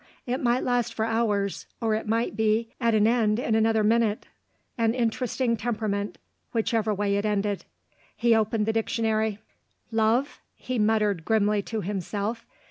It might last for hours, or it might be at an end in another minute. An interesting temperament, whichever way it ended. He opened the dictionary. "Love?" he muttered grimly to himself.